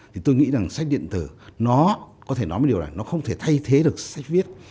thì tôi nghĩ rằng sách điện tử nó có thể nói với điều này nó không thể thay thế được sách viết